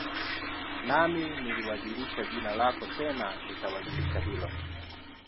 Nami niliwajulisha jina lako tena nitawajulisha hilo